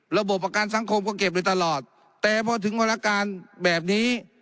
ระบบประกันสังคมก็เก็บโดยตลอดแต่พอถึงวันอาการแบบนี้